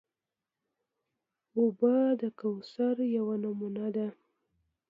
اوبه د کوثر یوه نمونه ده.